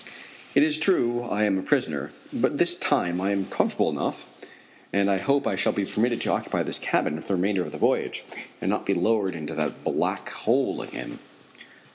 It is true I am a prisoner, but this time I am comfortable enough, and I hope I shall be permitted to occupy this cabin for the remainder of the voyage, and not be lowered into that black hole again.